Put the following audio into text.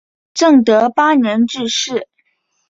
正德八年致仕。